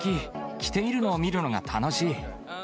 着ているのを見るのが楽しい。